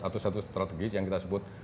satu satu strategis yang kita sebut